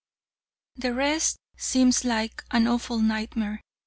The rest seems like an awful nightmare.